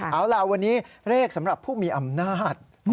เอาล่ะวันนี้เลขสำหรับผู้มีอำนาจ